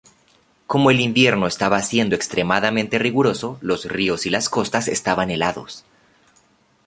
Como el invierno estaba siendo extremadamente riguroso, los ríos y las costas estaban helados.